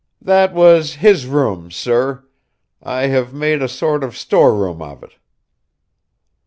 "That was his room, sir. I have made a sort of store room of it."